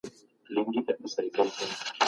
انسان باید عبرت واخلي.